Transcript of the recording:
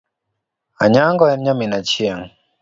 Anyango en nyamin Achieng .